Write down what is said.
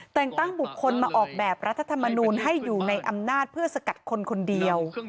แต่งตั้งบุคคลมาออกแบบรัฐธรรมนูลให้อยู่ในอำนาจเพื่อสกัดคนคนเดียว